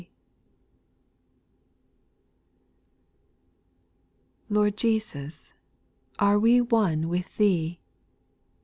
T ORD Jesus, are we one with Thee